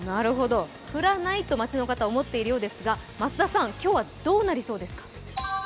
降らないと街の方は思っているようですが、増田さん、今日はどうなりそうですか？